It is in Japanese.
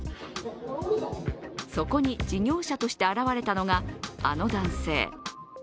そこに事業者として現れたのがあの男性。